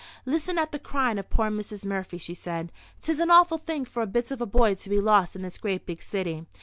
"Listen at the cryin' of poor Mrs. Murphy," she said. "'Tis an awful thing for a bit of a bye to be lost in this great big city.